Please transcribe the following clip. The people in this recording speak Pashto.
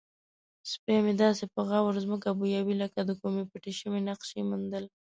سپی مې داسې په غور ځمکه بویوي لکه د کومې پټې شوې نقشې موندل.